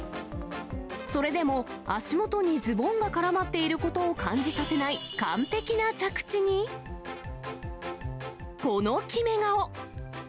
それでも、足元にズボンが絡まっていることを感じさせない完璧な着地に、この決め顔。